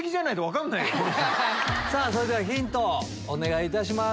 それではヒントをお願いいたします。